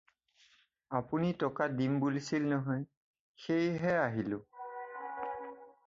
আপুনি টকা দিম বুলিছিল নহয়? সেই হে আহিলোঁ।